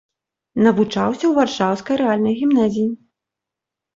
Навучаўся ў варшаўскай рэальнай гімназіі.